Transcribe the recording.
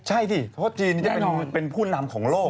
ใช่สิเพราะจีนจะเป็นผู้นำของโลก